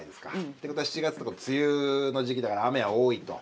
ってことは７月だと梅雨の時期だから雨は多いと。